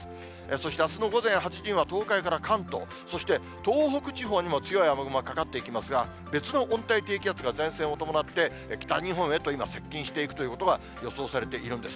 そしてあすの午前８時には東海から関東、そして東北地方にも強い雨雲がかかっていきますが、別の温帯低気圧が前線を伴って、北日本へと今、接近していくということが予想されているんです。